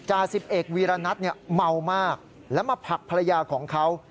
จ่าสิบเอกวีรณัทเมามากแล้วมาผลักภรรยาของเขา